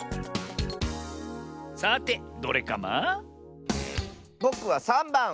さてどれカマ？ぼくは３ばん！